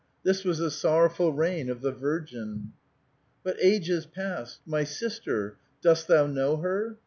This was the sor rowful reign of the virgin. "But ages past: my sister — dost thou know her?